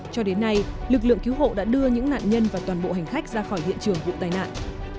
cho đến nay lực lượng cứu hộ đã đưa những nạn nhân và toàn bộ hành khách ra khỏi hiện trường vụ tai nạn